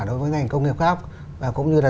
đối với ngành công nghiệp khác và cũng như là